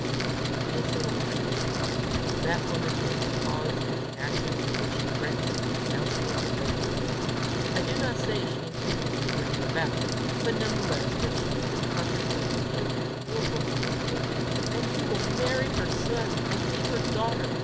"Yes, little one, I do. That woman was the cause of the action for which she threatens to denounce me as a murderer. I do not say she intended to bring it about; but none the less was she the consciously wicked and wilful cause of it. And you will marry her son, and be her daughter!"